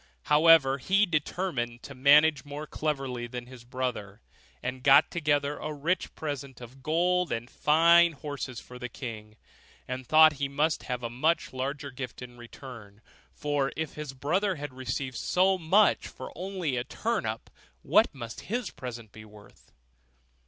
However, he determined to manage more cleverly than his brother, and got together a rich present of gold and fine horses for the king; and thought he must have a much larger gift in return; for if his brother had received so much for only a turnip, what must his present be worth?